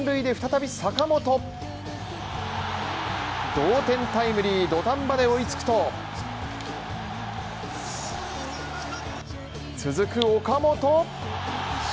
同点タイムリー、土壇場で追いつくと続く岡本。